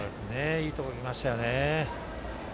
いいところに来ましたよね。